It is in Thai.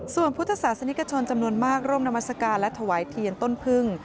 ส่วนพุทธศาสนิกชนจำนวนมากร่วมนามัศกาลและถวายเทียนต้นพึ่ง